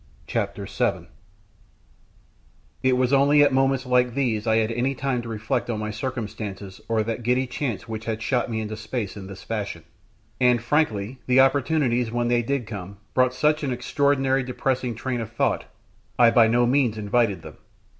CHAPTER VII It was only at moments like these I had any time to reflect on my circumstances or that giddy chance which had shot me into space in this fashion, and, frankly, the opportunities, when they did come, brought such an extraordinary depressing train of thought, I by no means invited them.